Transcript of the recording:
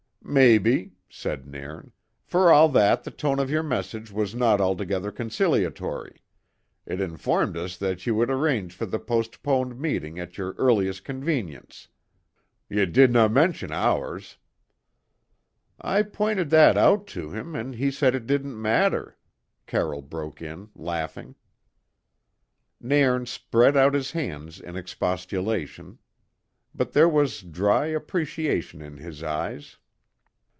"Maybe," said Nairn. "For all that, the tone of your message was not altogether conciliatory. It informed us that ye would arrange for the postponed meeting at your earliest convenience. Ye didna mention ours." "I pointed that out to him, and he said it didn't matter," Carroll broke in, laughing. Nairn spread out his hands in expostulation, but there was dry appreciation in his eyes.